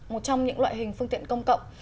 một trong những loại hình phương tiện công cộng